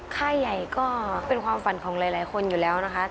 ค่ายใหญ่ก็เป็นความฝันของหลายคนอยู่แล้วนะคะ